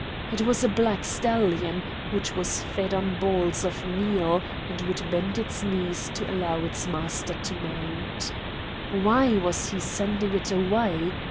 It was a black stallion, which was fed on balls of meal, and would bend its knees to allow its master to mount. Why was he sending it away?